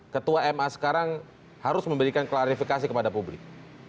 ketua ma sekarang harus memberikan klarifikasi kepada publik